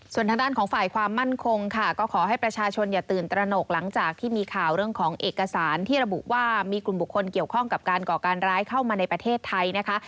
ส่วนทางด้านของฝ่ายความมั่นคงค่ะก็ขอให้ประชาชนอย่าตื่นตระหนกหลังจากที่มีข่าวเรื่องของเอกสารที่ระบุว่ามีกลุ่มบุคคลเกี่ยวข้องกับการก่อการร้ายเข้ามาในประเทศไทยนะคะ